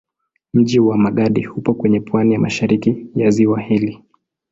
Mji wa Magadi upo kwenye pwani ya mashariki ya ziwa hili.